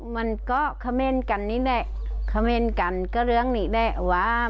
มันก็เขมรกันนี่แหละเขมรกันก็เรืองนี่แหละ